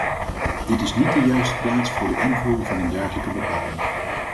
Dit is niet de juiste plaats voor de invoering van een dergelijke bepaling.